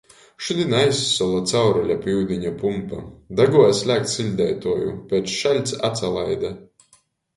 Šudiņ aizsola caurule pi iudiņa pumpa. Daguoja slēgt siļdeituoju, piec šaļts atsalaide.